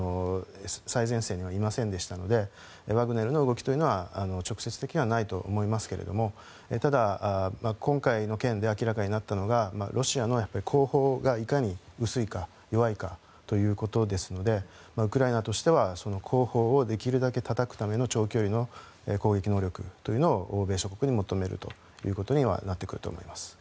最前線にはいませんでしたのでワグネルの動きというのは直接的にはないと思いますがただ今回の件で明らかになったのがロシアの後方がいかに薄いか弱いかということですのでウクライナとしては後方をできるだけたたくための長距離の攻撃能力というのを欧米諸国に求めるということにはなってくると思います。